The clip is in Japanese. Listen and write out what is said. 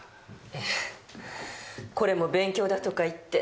ええこれも勉強だとか言って。